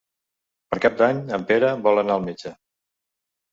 Per Cap d'Any en Pere vol anar al metge.